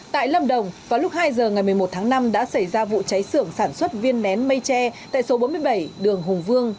tại lâm đồng vào lúc hai giờ ngày một mươi một tháng năm đã xảy ra vụ cháy sưởng sản xuất viên nén mây tre tại số bốn mươi bảy đường hùng vương